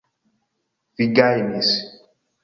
Vi gajnis!